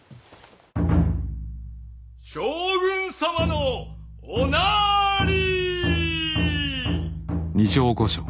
将軍様のおなり。